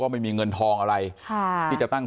ไม่มีเงินทองอะไรที่จะตั้ง